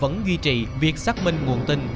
vẫn duy trì việc xác minh nguồn tin